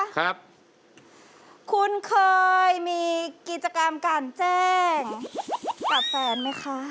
คุณเคยมีกิจกรรมการแจ้งกับแฟนไหมคะ